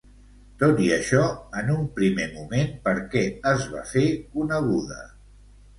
Tot i això, en un primer moment per què es va fer coneguda?